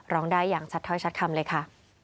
ร้องได้อย่างชัดเท่าให้ชัดคำเลยค่ะ